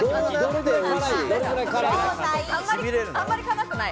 あんまり辛くない。